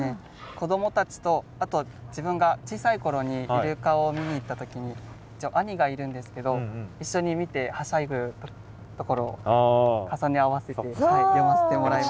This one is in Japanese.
子どもたちとあと自分が小さい頃にイルカを見に行った時に兄がいるんですけど一緒に見てはしゃぐところを重ね合わせて詠ませてもらいました。